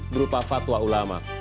berupa fatwa ulama